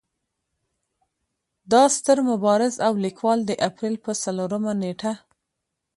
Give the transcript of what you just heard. دا ستر مبارز او ليکوال د اپرېل پۀ څلورمه نېټه